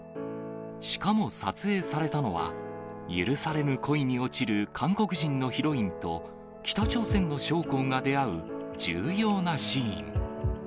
しかも撮影されたのは、許されぬ恋に落ちる韓国人のヒロインと、北朝鮮の将校が出会う、重要なシーン。